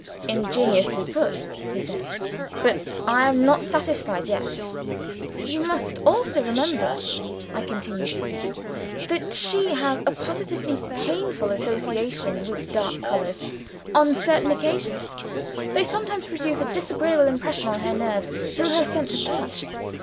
"Ingeniously put," he said. "But I am not satisfied yet." "You must also remember," I continued, "that she has a positively painful association with dark colors, on certain occasions. They sometimes produce a disagreeable impression on her nerves, through her sense of touch.